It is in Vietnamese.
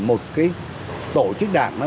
một tổ chức đảng